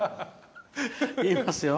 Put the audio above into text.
言いますよ。